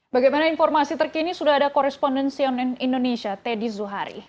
bagaimana informasi terkini sudah ada korespondensi ann indonesia teddy zuhari